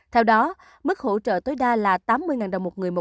theo đó mức hỗ trợ tối đa là tám mươi đồng một người một